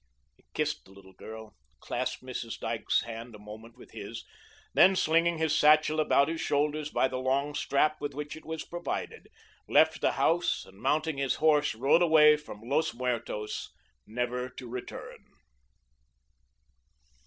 He kissed the little girl, clasped Mrs. Dyke's hand a moment with his; then, slinging his satchel about his shoulders by the long strap with which it was provided, left the house, and mounting his horse rode away from Los Muertos never to return.